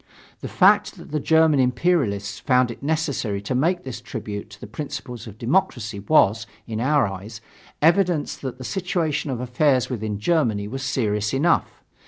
The fact that the German imperialists found it necessary to make this tribute to the principles of democracy, was, in our eyes, evidence that the situation of affairs within Germany was serious enough....